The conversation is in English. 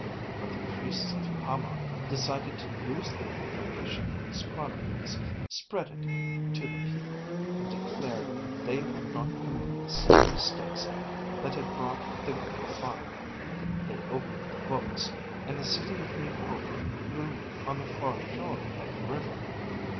But the priests of Hama, decided to use the information in these chronicles, spread it to the people, and declared they would not commit the same mistakes that had brought the Great Fire. They opened the books, and the City of New Hope grew on the far shore of the river.